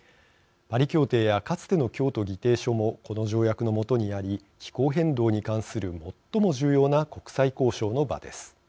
パリ協定やかつての京都議定書もこの条約の下にあり気候変動に関する最も重要な国際交渉の場です。